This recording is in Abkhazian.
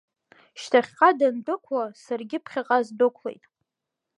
Шьҭахьҟа дандәықәла, саргьы ԥхьаҟа сдәықәлеит.